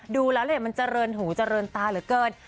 ดูแล้วมันเจริญหูเจริญตาเหลือเกิน